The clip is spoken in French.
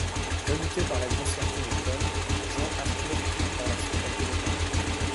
Rebutée par la grossièreté de Cohn, Jean Arthur quitte par la suite la Columbia.